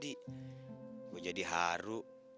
jadi gue jadi haru